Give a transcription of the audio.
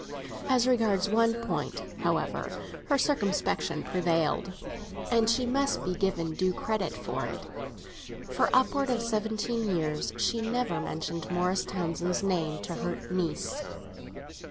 As regards one point, however, her circumspection prevailed, and she must be given due credit for it. For upwards of seventeen years she never mentioned Morris Townsend's name to her niece.